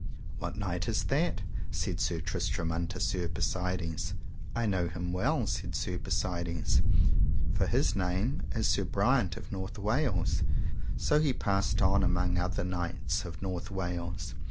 What knight is that? said Sir Tristram unto Sir Persides. I know him well, said Sir Persides, for his name is Sir Briant of North Wales; so he passed on among other knights of North Wales.